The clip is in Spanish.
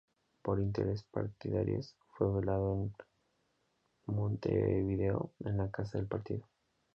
Por intereses partidarios, fue velado en Montevideo, en la Casa del Partido.